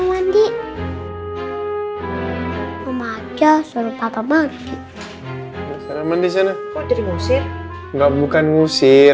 hai mama aja suruh papa mandi mandi sana sana ngusir enggak bukan ngusir